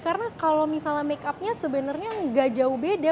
karena kalau misalnya make upnya sebenarnya nggak jauh beda